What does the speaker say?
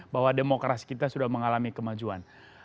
bahwa demokrasi kita sudah mengalami kemajuan